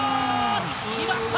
決まった！